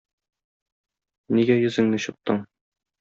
Нигә йөзеңне чыттың?